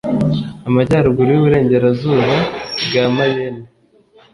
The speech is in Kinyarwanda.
amajyaruguru y'iburengerazuba bwa mayenne